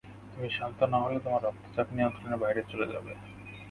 তুমি শান্ত না হলে তোমার রক্তচাপ নিয়ন্ত্রণের বাইরে চলে যাবে।